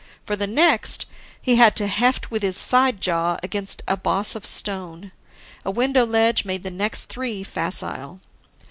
For the next, he had to heft with his side jaw against a boss of stone. A window ledge made the next three facile.